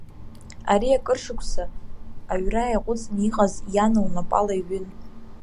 Ари акыр шықәса аҩра иаҟәыҵны иҟаз иан лнапала иҩын.